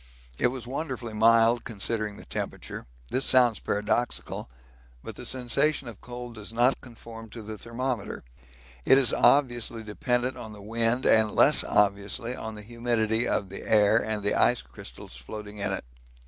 It was wonderfully mild considering the temperature this sounds paradoxical, but the sensation of cold does not conform to the thermometer it is obviously dependent on the wind and less obviously on the humidity of the air and the ice crystals floating in it.